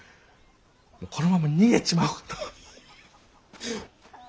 このまま逃げちまおうとハハ。